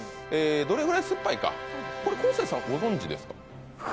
どれぐらい酸っぱいか昴生さん、ご存じですか？